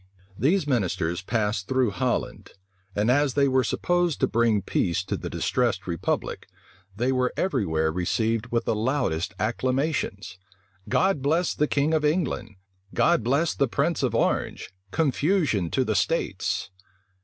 These ministers passed through Holland; and as they were supposed to bring peace to the distressed republic, they were every where received with the loudest acclamations. "God bless the king of England! God bless the prince of Orange! Confusion to the states!"